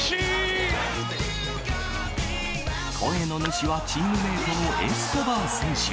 声の主はチームメートのエスコバー選手。